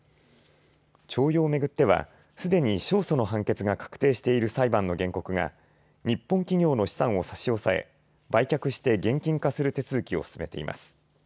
徴用を巡っては、すでに勝訴の判決が確定している裁判の原告が日本企業の資産を差し押さえ売却して現金化する手続きを進めています。